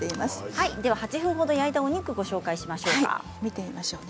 ８分ほど焼いたお肉をご紹介しましょう。